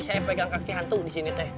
saya pegang kaki hantu di sini teh